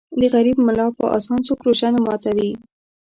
د غریب ملا په اذان څوک روژه نه ماتوي.